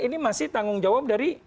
ini masih tanggung jawab dari